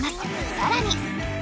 さらに！